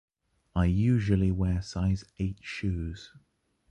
I usually wear size eight shoes.